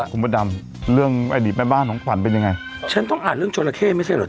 คุณพระดำเรื่องอดีตแม่บ้านของขวัญเป็นยังไงฉันต้องอ่านเรื่องจราเข้ไม่ใช่เหรอ